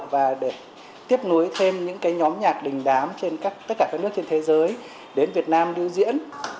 và để tiếp nối thêm những nhóm nhạc đình đám trên tất cả các nước trên thế giới đến việt nam lưu diễn